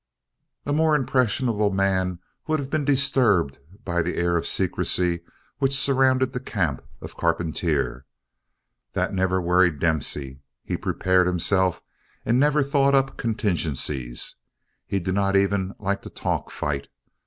A more impressionable man would have been disturbed by the air of secrecy which surrounded the camp of Carpentier. That never worried Dempsey. He prepared himself and never thought up contingencies. He did not even like to talk fight.